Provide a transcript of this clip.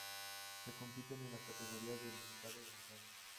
Se compiten en las categorías de ilimitado y avanzado.